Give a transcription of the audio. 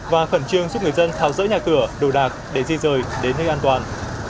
và khẩn trương giúp người dân tháo rỡ nhà cửa đồ đạc để di rời đến nơi an toàn